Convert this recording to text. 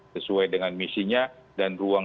sesuai dengan misinya dan ruang